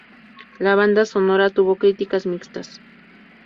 La banda sonora tuvo críticas mixtas.